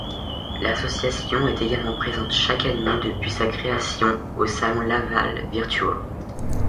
L'association est également présente chaque année depuis sa création au salon Laval Virtual.